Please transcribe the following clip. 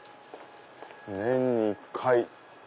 年に一回。